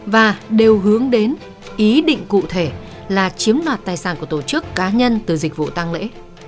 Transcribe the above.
và đều hướng đến ý định cụ thể là chiếm đoạt tài sản của tổ chức cá nhân từ dịch vụ tăng lễ